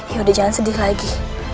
yaudah jangan sedih lagi